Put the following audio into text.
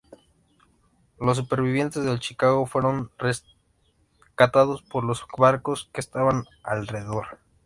Los supervivientes del Chicago fueron rescatados por los barcos que estaban a alrededor.